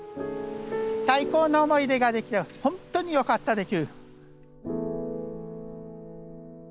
最高の思い出ができて本当によかったです。